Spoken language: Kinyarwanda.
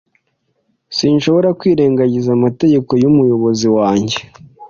Sinshobora kwirengagiza amategeko y'umuyobozi wanjye.